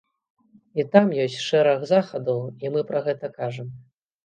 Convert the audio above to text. І там ёсць шэраг захадаў, і мы пра гэта кажам.